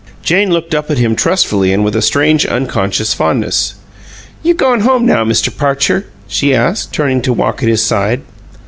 Jane looked up at him trustfully and with a strange, unconscious fondness. "You goin' home now, Mr. Parcher?" she asked, turning to walk at his side.